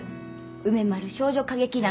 梅丸少女歌劇団